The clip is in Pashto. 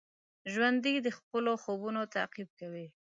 ژوندي د خپلو خوبونو تعقیب کوي